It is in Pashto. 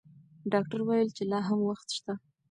ډاکټر وویل چې لا هم وخت شته.